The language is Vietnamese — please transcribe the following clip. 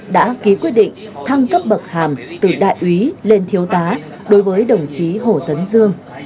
đã ký quyết định thăng cấp bậc hàm từ đại úy lên thiếu tá đối với đồng chí hồ tấn dương